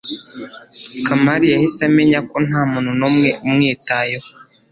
kamali yahise amenya ko ntamuntu numwe umwitayeho